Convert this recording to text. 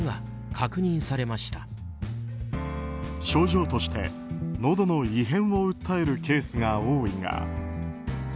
症状として、のどの異変を訴えるケースが多いが。